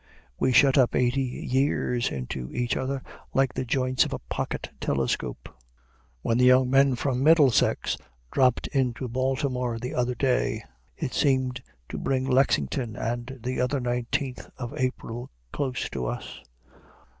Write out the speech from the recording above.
We shut up eighty years into each other like the joints of a pocket telescope. When the young men from Middlesex dropped in Baltimore the other day, it seemed to bring Lexington and the other Nineteenth of April close to us.